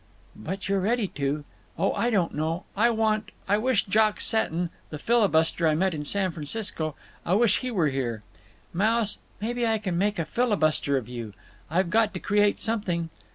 "But you're ready to. Oh, I don't know. I want—I wish Jock Seton—the filibuster I met in San Francisco—I wish he were here. Mouse, maybe I can make a filibuster of you. I've got to create something.